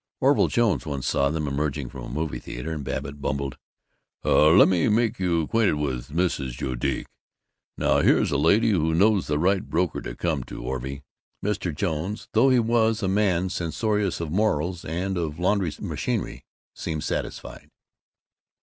Orville Jones once saw them emerging from a movie theater, and Babbitt bumbled, "Let me make you 'quainted with Mrs. Judique. Now here's a lady who knows the right broker to come to, Orvy!" Mr. Jones, though he was a man censorious of morals and of laundry machinery, seemed satisfied.